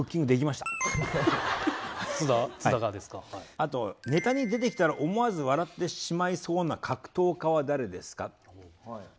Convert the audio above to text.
あとネタに出てきたら思わず笑ってしまいそうな格闘家は誰ですか？